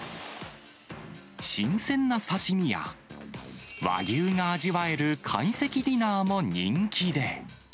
新鮮な刺身や、和牛が味わえる会席ディナーも人気で。